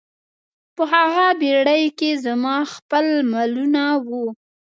په هغه بیړۍ کې زما خپل مالونه وو.